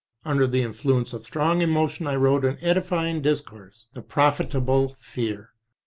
Under the influence of strong emotion I wrote an edifying discourse, The Profitable Fear.